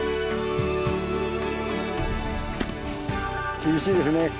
厳しいですね。